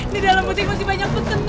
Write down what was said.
di dalam musik masih banyak pesenan